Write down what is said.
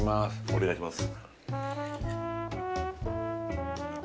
お願いします。